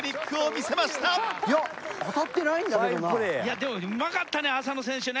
でもうまかったね浅野選手ね。